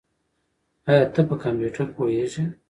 ایا ته په کمپیوټر پوهېږې؟